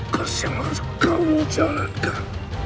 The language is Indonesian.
kasihan yang kamu jalankan